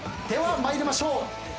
では参りましょう。